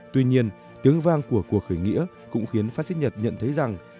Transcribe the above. tuy nhiên tiếng vang của cuộc khởi nghĩa cũng khiến pháp xích nhật nhận thấy rằng